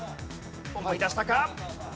思い出したか？